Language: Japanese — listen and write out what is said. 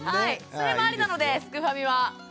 それもありなのですくファミは。